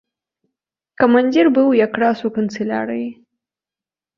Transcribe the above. Камандзір быў якраз у канцылярыі.